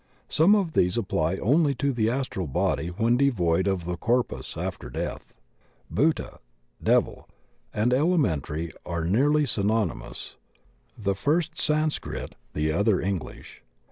Some of these apply only to the astral body when devoid of the corpus after death. Bhuta, devil, and elementary are nearly synonymous; the first Sanscrit, the other English.